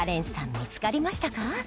見つかりましたか？